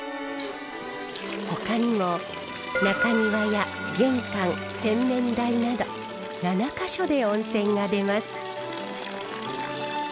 ほかにも中庭や玄関洗面台など７か所で温泉が出ます。